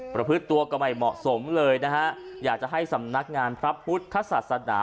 ประพฤติตัวก็ไม่เหมาะสมเลยนะฮะอยากจะให้สำนักงานพระพุทธศาสนา